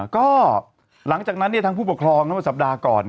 ก็หลังจากนั้นทางผู้ปกครองเมื่อสัปดาห์ก่อน